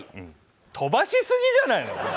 飛ばしすぎじゃないの？